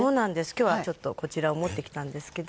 今日はちょっとこちらを持ってきたんですけど。